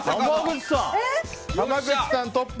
濱口さんトップ。